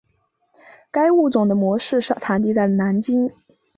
该物种的模式产地在南京。